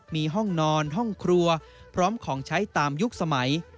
มีห้องนอนห้องครัวพร้อมของใช้ตามยุคสมัย